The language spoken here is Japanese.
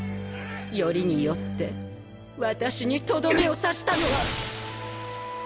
よりによって私にとどめを刺したのは。